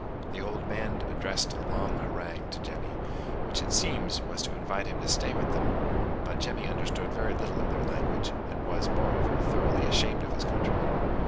The old man addressed a long harangue to Jemmy, which it seems was to invite him to stay with them. But Jemmy understood very little of their language, and was, moreover, thoroughly ashamed of his countrymen.